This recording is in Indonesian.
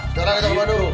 sekarang kita ke bandung